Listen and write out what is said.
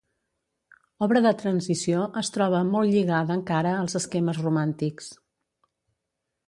Obra de transició, es troba molt lligada encara als esquemes romàntics.